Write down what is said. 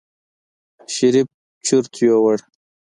شريف چورت يوړ.